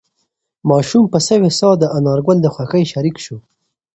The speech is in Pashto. ماشوم په سوې ساه د انارګل د خوښۍ شریک شو.